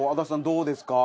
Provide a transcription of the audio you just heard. どうですか？